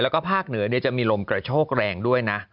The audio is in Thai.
แล้วก็ภาคเหนือจะมีลมกระโชกแรงด้วยนะ